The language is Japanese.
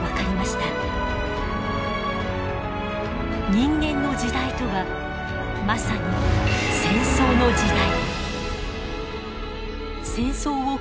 人間の時代とはまさに戦争の時代。